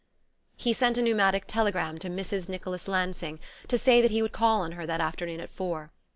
He sent a pneumatic telegram to Mrs. Nicholas Lansing to say that he would call on her that afternoon at four.